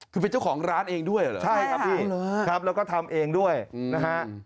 คือเป็นเจ้าของร้านเองด้วยเหรอใช่ครับพี่ครับแล้วก็ทำเองด้วยนะฮะ